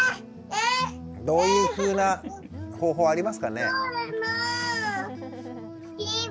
どういうふうな方法ありますかね。